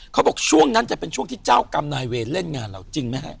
เขาบอกช่วงนั้นจะเป็นช่วงที่เจ้ากรรมนายเวรเล่นงานเราจริงไหมฮะ